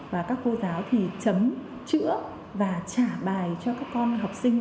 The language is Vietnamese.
và các cô giáo thì chấm chữa và trả bài cho các con học sinh